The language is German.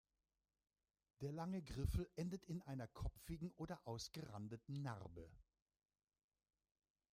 Der lange Griffel endet in einer kopfigen oder ausgerandeten Narbe.